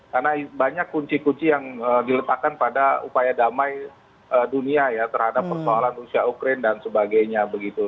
karena banyak kunci kunci yang diletakkan pada upaya damai dunia ya terhadap persoalan rusia ukraine dan sebagainya begitu